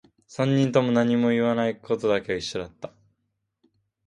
三人とも何も言わないことだけは一緒だった